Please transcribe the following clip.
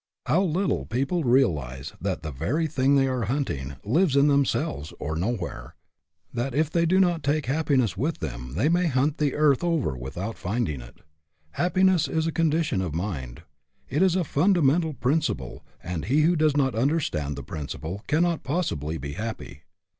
How little people realize that the very thing they are hunting lives in them selves or nowhere ; that if they do not take happiness with them they may hunt the earth over without rinding it. Happiness is a con dition of mind. It is a fundamental principle, and he who does not understand the principle cannot possibly be happy.